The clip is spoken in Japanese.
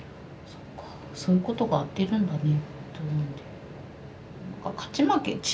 そっかそういうことがあってるんだね。